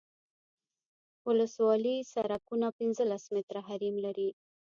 ولسوالي سرکونه پنځلس متره حریم لري